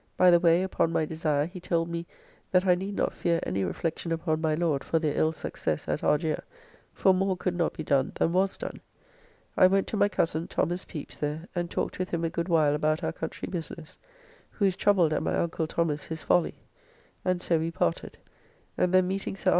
By the way, upon my desire, he told me that I need not fear any reflection upon my Lord for their ill success at Argier, for more could not be done than was done. I went to my cozen, Thos. Pepys, there, and talked with him a good while about our country business, who is troubled at my uncle Thomas his folly, and so we parted; and then meeting Sir R.